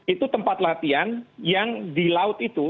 itu tempat latihan yang di laut itu